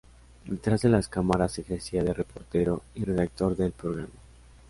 Detrás de las cámaras ejercía de reportero y redactor del programa.